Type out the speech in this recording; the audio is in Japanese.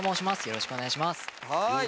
よろしくお願いします！